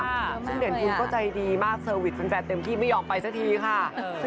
ซึ่งเด่นคุณก็ใจดีมากฟันแฟนเต็มที่ไม่ยอมไปซะทีค่ะ